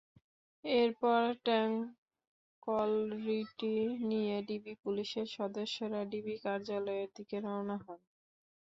এরপর ট্যাংকলরিটি নিয়ে ডিবি পুলিশের সদস্যরা ডিবি কার্যালয়ের দিকে রওনা হন।